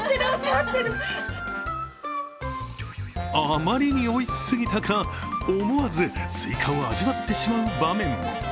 あまりにおいしすぎたか、思わずスイカを味わってしまう場面も。